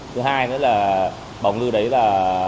thứ hai nữa là bảo ngư đấy là